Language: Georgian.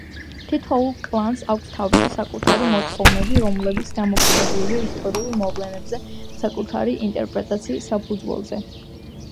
თითოეული კლანს აქვს თავისი საკუთარი მოთხოვნები, რომლებიც დამოკიდებულია ისტორიულ მოვლენებზე საკუთარი ინტერპრეტაციის საფუძველზე.